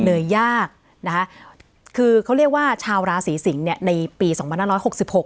เหนื่อยยากนะคะคือเขาเรียกว่าชาวราศีสิงศ์เนี่ยในปีสองพันห้าร้อยหกสิบหก